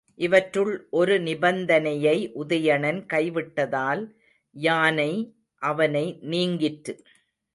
இவற்றுள் ஒரு நிபந்தனையை உதயணன் கைவிட்டதால் யானை அவனை நீங்கிற்று.